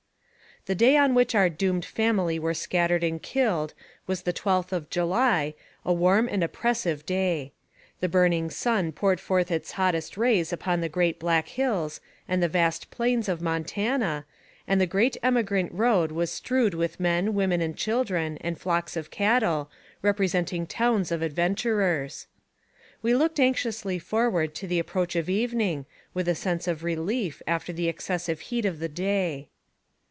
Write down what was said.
The day on which our doomed family were scattered and killed was the 12th of July, a warm and oppressive day. The burning sun poured forth its hottest rays upon the great Black Hills and the vast plains of Montana, and the great emigrant road was strewed with men, women, and children, and flocks of cattle, representing towns of adventurers. We looked anxiously forward to the approach of evening, with a sense of relief, after the excessive heat of the day.